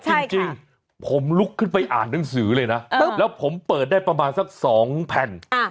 จริงผมลุกขึ้นไปอ่านหนังสือเลยนะแล้วผมเปิดได้ประมาณสัก๒แผ่น